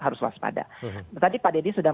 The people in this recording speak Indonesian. harus waspada tadi pak deddy sudah